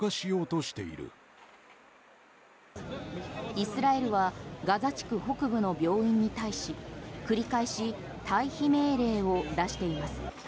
イスラエルはガザ地区北部の病院に対し繰り返し退避命令を出しています。